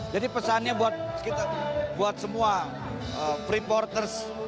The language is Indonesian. jadi pesannya buat kita buat semua freeporters